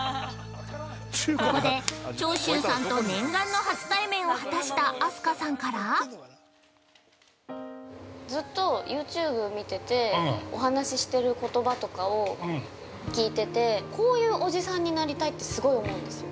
◆ここで、長州さんと念願の初対面を果たした飛鳥さんから◆ずっとユーチューブを見ててお話ししてる言葉とかを聞いててこういうおじさんになりたいってすごい思うんですよ。